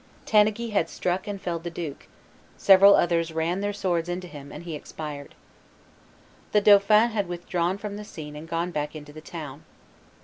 Tanneguy had struck and felled the duke; several others ran their swords into him; and he expired. The dauphin had withdrawn from the scene and gone back into the town.